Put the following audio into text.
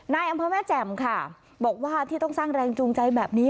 อำเภอแม่แจ่มค่ะบอกว่าที่ต้องสร้างแรงจูงใจแบบนี้